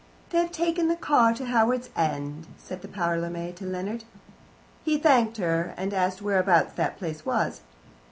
"They have taken the car to Howards End," said the parlourmaid to Leonard. He thanked her, and asked whereabouts that place was.